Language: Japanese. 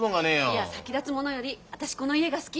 いや先立つものより私この家が好き。